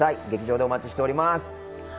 劇場でお待ちしております。